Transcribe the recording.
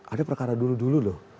ada perkara dulu dulu loh